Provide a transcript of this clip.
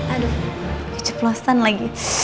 aduh keceplosan lagi